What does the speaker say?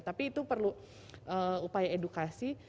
tapi itu perlu upaya edukasi